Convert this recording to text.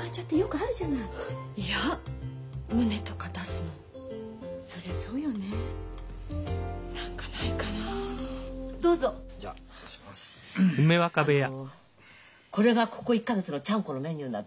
あのこれがここ１か月のちゃんこのメニューなんです。